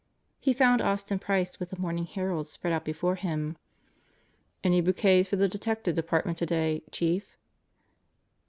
He found Austin Price with the morning Herald spread out before him. "Any bouquets for the Detective Department today, Chief?"